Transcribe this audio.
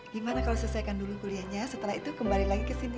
gimana kalau selesaikan dulu kuliahnya setelah itu kembali lagi ke sini